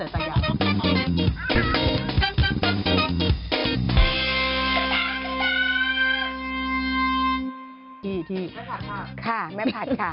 ที่ค่ะแม่ผัดค่ะครับผม